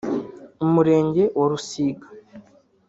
Umurenge wa Rusiga